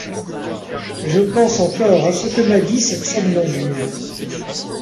Je pense encore à ce que m'a dit cette somnambule.